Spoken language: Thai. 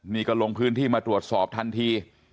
นี่ก็ลงพื้นที่มาตรวจสอบทันที